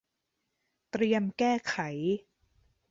เตรียมแก้ไข